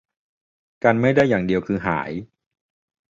กันไม่ได้อย่างเดียวคือหาย